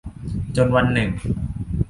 จนวันหนึ่ง